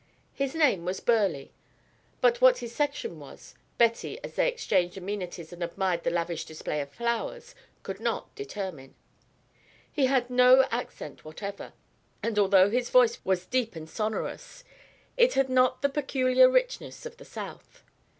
His name was Burleigh, but what his section was, Betty, as they exchanged amenities and admired the lavish display of flowers, could not determine; he had no accent whatever, and although his voice was deep and sonorous, it had not the peculiar richness of the South.